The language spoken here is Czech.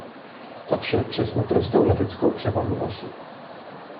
To vše přes naprostou leteckou převahu Osy.